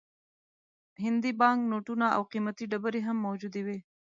هندي بانک نوټونه او قیمتي ډبرې هم موجودې وې.